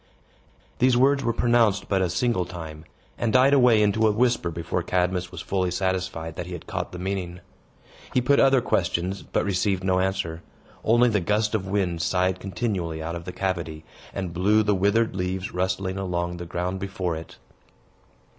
These words were pronounced but a single time, and died away into a whisper before Cadmus was fully satisfied that he had caught the meaning. He put other questions, but received no answer; only the gust of wind sighed continually out of the cavity, and blew the withered leaves rustling along the ground before it.